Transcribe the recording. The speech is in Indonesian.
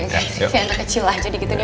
siang kecil lah jadi gitu nih